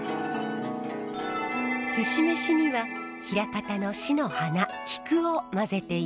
すし飯には枚方の市の花菊をまぜています。